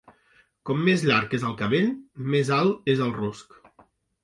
Com més llarg és el cabell, més alt és el rusc.